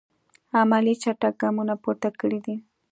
عملي چټک ګامونه پورته کړی دي.